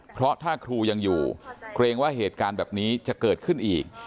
เพราะถ้าครูยังอยู่เกรงว่าเหตุการณ์แบบนี้จะเกิดขึ้นอีก